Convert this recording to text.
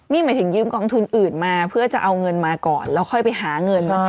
นี่หมายถึงยืมกองทุนอื่นมาเพื่อจะเอาเงินมาก่อนแล้วค่อยไปหาเงินมาใช้